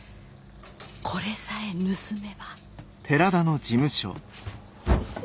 これさえ盗めば。